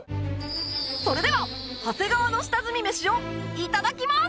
それでは長谷川の下積みメシを頂きます